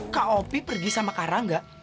kak opi pergi sama karangga